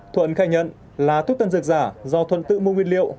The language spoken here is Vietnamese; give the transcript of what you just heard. thuận khai nhận là thuốc tân dược giả do thuận tự mua nguyên liệu